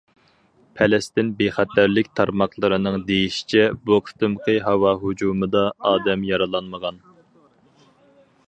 پەلەستىن بىخەتەرلىك تارماقلىرىنىڭ دېيىشىچە، بۇ قېتىمقى ھاۋا ھۇجۇمىدا ئادەم يارىلانمىغان.